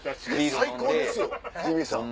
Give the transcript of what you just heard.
最高ですよジミーさん。